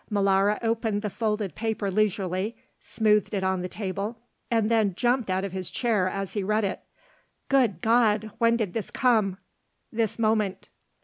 Molara opened the folded paper leisurely, smoothed it on the table and then jumped out of his chair as he read it. "Good God! when did this come?" "This moment."